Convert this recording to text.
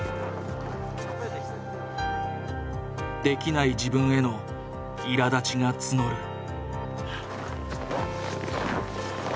できない自分へのいらだちが募る。